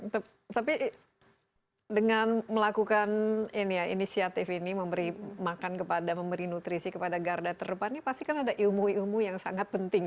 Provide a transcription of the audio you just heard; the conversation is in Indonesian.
tapi dengan melakukan inisiatif ini memberi makan kepada memberi nutrisi kepada garda terdepannya pasti kan ada ilmu ilmu yang sangat penting